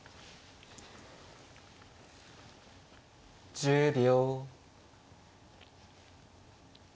１０秒。